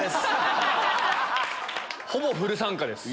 ほぼフル参加です。